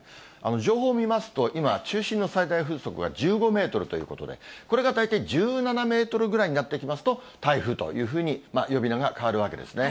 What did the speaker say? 情報を見ますと、今、中心の最大風速が１５メートルということで、これが大体１７メートルぐらいになってきますと、台風というふうに呼び名が変わるわけですね。